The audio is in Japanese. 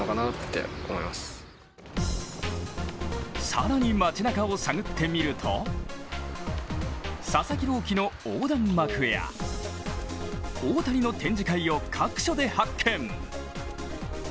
更に、町なかを探ってみると佐々木朗希の横断幕や大谷の展示会を各所で発見。